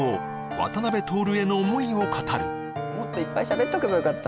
渡辺徹への思いを語るもっといっぱいしゃべっとけばよかった